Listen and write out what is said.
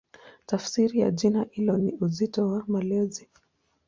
Tafsiri ya jina hilo ni "Uzito wa Malezi".